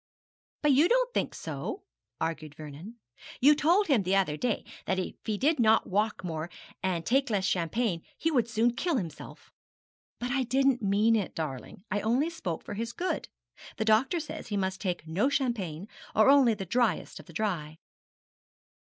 'But you don't think so,' argued Vernon. 'You told him the other day that if he did not walk more, and take less champagne, he would soon kill himself.' 'But I didn't mean it, darling. I only spoke for his good. The doctor says he must take no champagne, or only the dryest of the dry.'